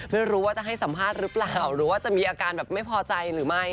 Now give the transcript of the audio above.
ไม่รู้ว่าจะให้สัมภาษณ์หรือเปล่าหรือว่าจะมีอาการแบบไม่พอใจหรือไม่